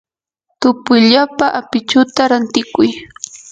tupuyllapa apichuta rantikuy.